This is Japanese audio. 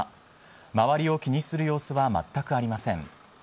周りを気にする様子は全くありません。